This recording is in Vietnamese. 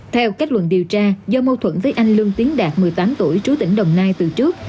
theo kết luận điều tra do mâu thuẫn với anh lương tiến đạt một mươi tám tuổi trú tỉnh đồng nai từ trước